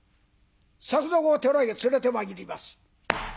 作蔵を寺へ連れてまいります。